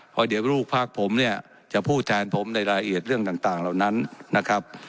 เพราะเดี๋ยวลูกพักผมเนี่ยจะพูดแทนผมในรายละเอียดเรื่องต่างเหล่านั้นนะครับ